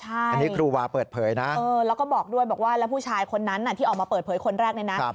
อันนี้ครูวาเปิดเผยนะแล้วก็บอกด้วยบอกว่าแล้วผู้ชายคนนั้นที่ออกมาเปิดเผยคนแรกเนี่ยนะ